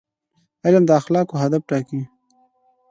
علم د اخلاقو هدف ټاکي.